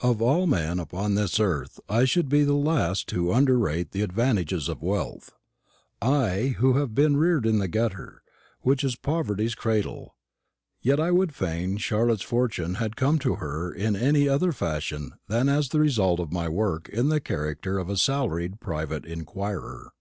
Of all men upon this earth I should be the last to underrate the advantages of wealth, I who have been reared in the gutter, which is Poverty's cradle. Yet I would fain Charlotte's fortune had come to her in any other fashion than as the result of my work in the character of a salaried private inquirer.